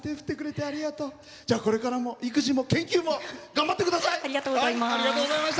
これから育児も研究も頑張ってください。